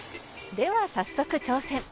「では早速挑戦」